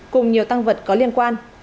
cùng nhiều tăng vật có liên quan